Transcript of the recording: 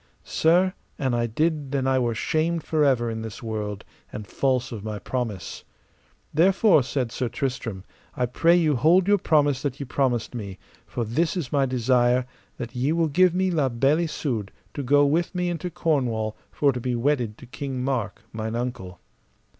Sir, an I did then I were shamed for ever in this world, and false of my promise. Therefore, said Sir I Tristram, I pray you hold your promise that ye promised me; for this is my desire, that ye will give me La Beale Isoud to go with me into Cornwall for to be wedded to King Mark, mine uncle.